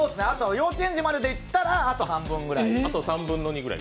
幼稚園児までいったらあと半分ぐらい。